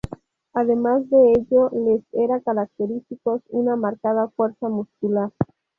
Además de ello les era característicos una marcada fuerza muscular.